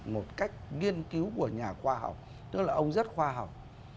một cách nghiên cứu của nhà khoa học tức là ông rất khoa học